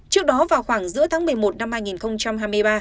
trước đó vào khoảng giữa tháng một mươi một năm hai nghìn hai mươi ba